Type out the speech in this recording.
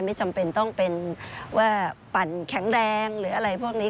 ไม่จำเป็นต้องเป็นว่าปั่นแข็งแรงหรืออะไรพวกนี้